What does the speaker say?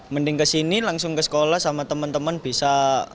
mending ke sini langsung ke sekolah sama teman teman bisa